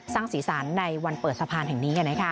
สร้างศีรษะในวันเปิดสะพานแห่งนี้